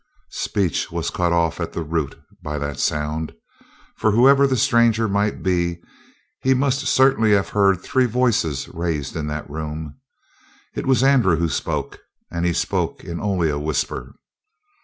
Speech was cut off at the root by that sound. For whoever the stranger might be, he must certainly have heard three voices raised in that room. It was Andrew who spoke. And he spoke in only a whisper.